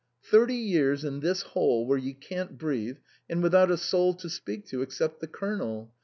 Thirty years in this hole, where you can't breathe, and with out a soul to speak to except the Colonel.